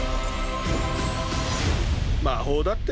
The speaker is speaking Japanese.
魔法だって？